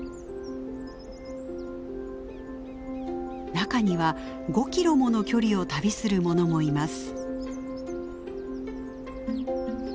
中には５キロもの距離を旅するものもいます。